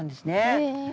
へえ。